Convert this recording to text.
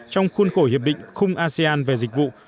trong khuôn khổ hiệp định khung asean về dịch vụ